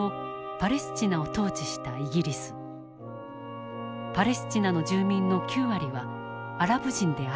パレスチナの住民の９割はアラブ人であった。